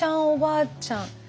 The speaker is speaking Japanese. おばあちゃん。